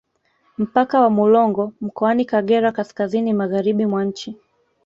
Mpaka wa Mulongo mkoani Kagera kaskazini magharibi mwa nchi